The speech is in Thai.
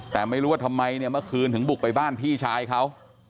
แต่ไม่รู้ว่าทำไมเนี่ยเมื่อคืนถึงบุกไปบ้านพี่ชายเขา